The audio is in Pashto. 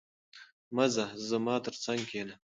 مه ځه، زما تر څنګ کښېنه.